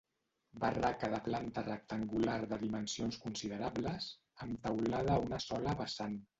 Barraca de planta rectangular de dimensions considerables, amb teulada a una sola vessant.